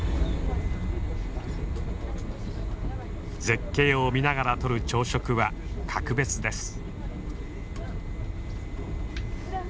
絶景を見ながらとる朝食は格別です。